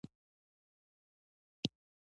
د هغه شعر د بیلتون درد او غم په ښه توګه بیانوي